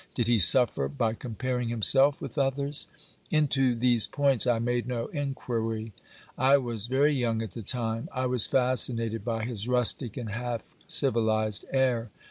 Did he suffer by comparing him self with others ? Into these points I made no inquiry. I was very young at the time. I was fascinated by his rustic and half civilised air.